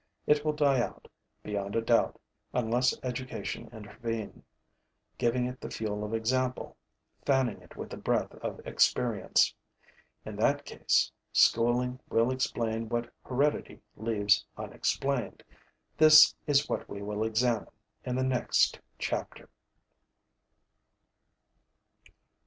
It will die out, beyond a doubt, unless education intervene, giving it the fuel of example, fanning it with the breath of experience. In that case, schooling will explain what heredity leaves unexplained. This is what we will examine in the next chapter.